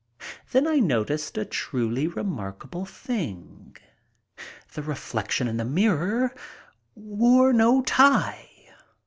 Then I noticed a truly remarkable thing. The reflection in the mirror wore no tie!